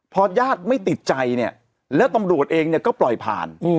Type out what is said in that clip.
พอญาติไม่ติดใจเนี่ยแล้วตำรวจเองเนี่ยก็ปล่อยผ่าน